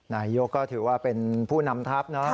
นายยกก็ถือว่าเป็นผู้นำทับ